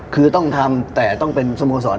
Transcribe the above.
คือต้องทำแต่ต้องสุโมงน์สอน